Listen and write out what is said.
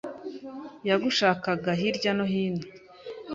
yagushakaga hirya no hino.